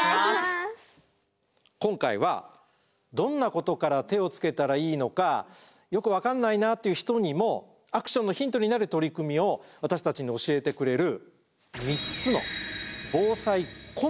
今回はどんなことから手をつけたらいいのかよく分かんないなっていう人にもアクションのヒントになる取り組みを私たちに教えてくれる３つの防災コンテスト